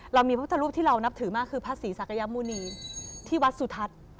เรามีพระพุทธรูปที่เรานับถือมากคือพระศรีศักยมุณีที่วัดสุทัศน์